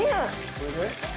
これで？